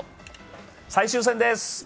最終戦です。